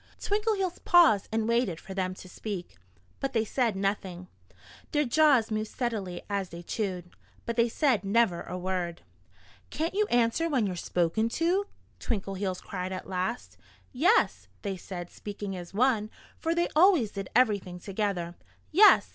Twinkleheels paused and waited for them to speak. But they said nothing. Their jaws moved steadily as they chewed; but they said never a word. "Can't you answer when you're spoken to?" Twinkleheels cried at last. "Yes!" they said, speaking as one for they always did everything together. "Yes!